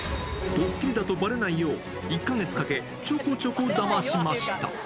ドッキリだとばれないよう、１か月かけ、ちょこちょこダマしました。